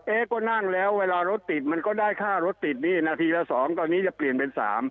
ก็นั่งแล้วเวลารถติดมันก็ได้ค่ารถติดนี่นาทีละ๒ตอนนี้จะเปลี่ยนเป็น๓